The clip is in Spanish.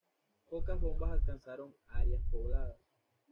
Pocas bombas alcanzaron áreas pobladas.